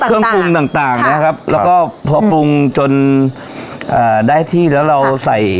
เครื่องปรุงต่างต่างนะครับแล้วก็พอปรุงจนอ่าได้ที่แล้วเราใส่